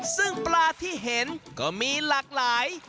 ซึ่งปลาที่เห็นก็มีหลากหลาย